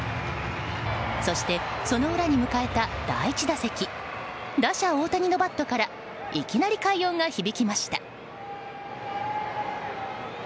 そして、その裏に迎えた第１打席打者・大谷のバットからいきなり快音が響きました。